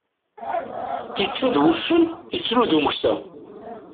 Ičča d wuccen, ittru d umeksa.